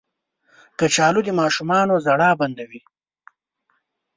کچالو د ماشومانو ژړا بندوي